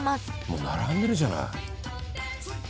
もう並んでるじゃない。